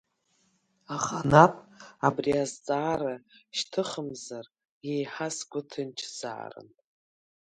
Аханатә абри азҵаара шьҭыхымзар еиҳа сгәы ҭынчзаарын.